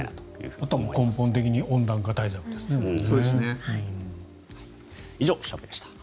あとは根本的に温暖化対策ですね。